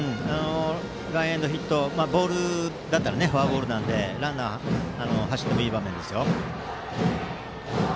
ランエンドヒットボールだったらフォアボールなのでランナーが走ってもいい場面です。